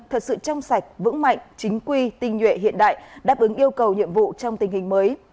thật sự trong sạch vững mạnh chính quy tinh nhuệ hiện đại đáp ứng yêu cầu nhiệm vụ trong tình hình mới